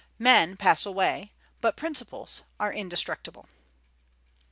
Men pass away, but principles are indestructible.